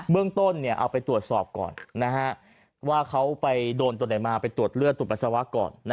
เมืองต้นเอาไปตรวจสอบก่อนว่าเขาไปโดนตัวไหนมาไปตรวจเลือดตรวจปัสสาวะก่อน